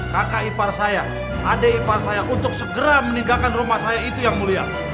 kakak ipar saya adik ipar saya untuk segera meninggalkan rumah saya itu yang mulia